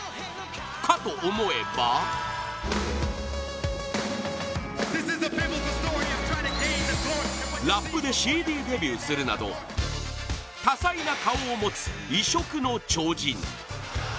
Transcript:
かと思えばラップでＣＤデビューするなど多才な顔を持つ異色の超人。